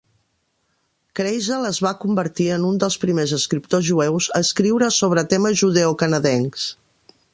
Kreisel es va convertir en un dels primers escriptors jueus a escriure sobre temes judeocanadencs.